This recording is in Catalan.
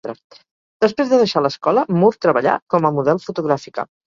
Després de deixar l'escola, Moore treballà com a model fotogràfica.